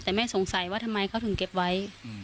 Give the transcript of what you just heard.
แต่แม่สงสัยว่าทำไมเขาถึงเก็บไว้